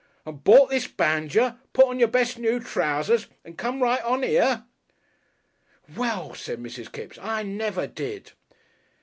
"And bort this banjer, put on your best noo trousers and come right on 'ere?" "Well," said Mrs. Kipps, "I never did."